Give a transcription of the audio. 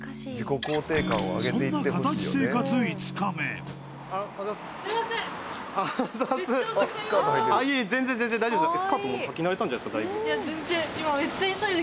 そんな形生活５日目いえいえ全然全然大丈夫ですよ